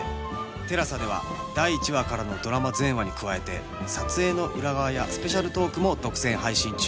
ＴＥＬＡＳＡ では第１話からのドラマ全話に加えて撮影の裏側やスペシャルトークも独占配信中